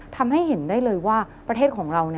ทำให้เห็นได้เลยว่าประเทศของเรา